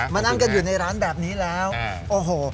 นั่งกันอยู่ในร้านแบบนี้แล้วโอ้โห